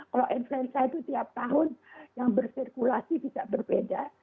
kalau influenza itu tiap tahun yang bersirkulasi bisa berbeda